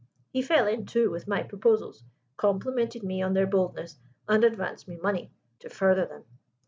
"He fell in, too, with my proposals, complimented me on their boldness, and advanced me money to further them.